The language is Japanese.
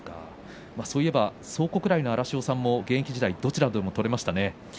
蒼国来の荒汐さんも現役時代どちらでも取れましたね。